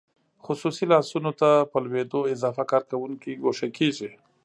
خصوصي لاسونو ته په لوېدو اضافه کارکوونکي ګوښه کیږي.